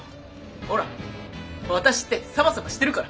ほらワタシってサバサバしてるから。